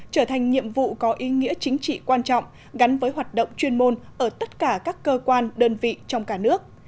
trở thành nhiệm vụ có ý nghĩa chính trị quan trọng gắn với hoạt động chuyên môn ở tất cả các cơ quan đơn vị trong cả nước